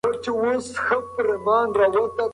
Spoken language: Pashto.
په پښتونخوا کې یوې پېغلې دا کار وکړ.